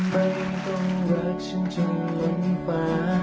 ไม่ต้องรักฉันจึงล้นฟ้า